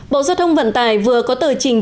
bộ giao thông vận tài vừa có tờ trình